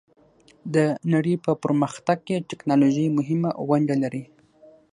د نړۍ په پرمختګ کې ټیکنالوژي مهمه ونډه لري.